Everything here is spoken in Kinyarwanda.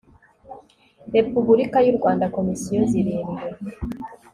repubulika y u rwanda komisiyo zirindwi